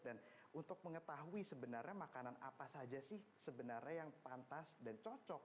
dan untuk mengetahui sebenarnya makanan apa saja sih sebenarnya yang pantas dan cocok